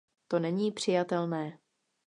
To není přijatelné.